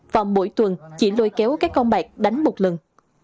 và mỗi tuần chỉ lôi kéo các con bạc đánh một lần